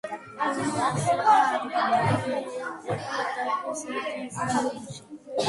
ტონი ასევე ინოვატორი იყო დაფის დიზაინში.